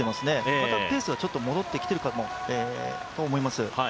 またペースがちょっと戻ってきてるかと思います。